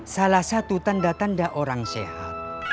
salah satu tanda tanda orang sehat